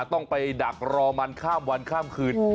ต้องไปดักรอมันข้ามวันข้ามคืน